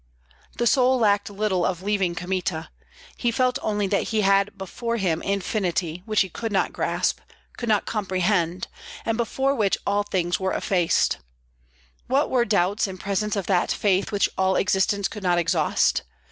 The soul lacked little of leaving Kmita; he felt only that he had before him infinity, which he could not grasp, could not comprehend, and before which all things were effaced. What were doubts in presence of that faith which all existence could not exhaust?